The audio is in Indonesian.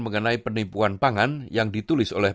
mengenai penipuan pangan yang ditulis oleh